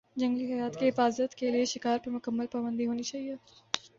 جنگلی حیات کی حفاظت کے لیے شکار پر مکمل پابندی ہونی چاہیے